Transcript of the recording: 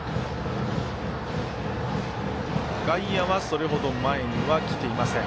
外野はそれほど前にはきていません。